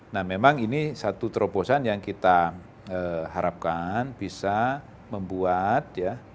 nah memang ini satu terobosan yang kita harapkan bisa membuat ya